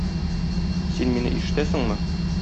Син мине ишетәсеңме?